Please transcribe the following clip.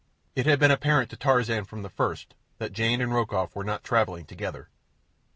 It had been apparent to Tarzan from the first that Jane and Rokoff were not travelling together.